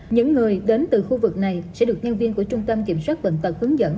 những người đến từ khu vực này sẽ được nhân viên của trung tâm kiểm soát bệnh tật hướng dẫn